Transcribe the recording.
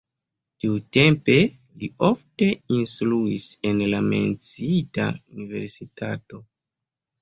Tiutempe li ofte instruis en la menciita universitato.